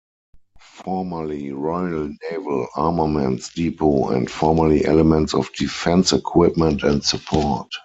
Formerly Royal Naval Armaments Depot and formally elements of Defence Equipment and Support.